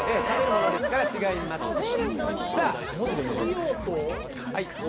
食べるものですから違います。